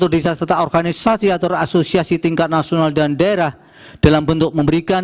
desa serta organisasi atau asosiasi tingkat nasional dan daerah dalam bentuk memberikan